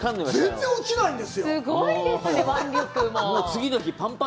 全然落ちないんですよ。